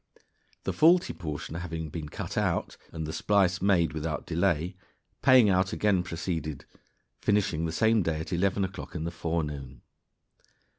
The faulty portion having been cut out, and the splice made without delay, paying out again proceeded, finishing the same day at eleven o'clock in the forenoon.